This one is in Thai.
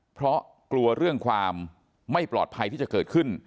เพราะกลัวเรื่องความไม่ปลอดภัยที่จะเกิดขึ้น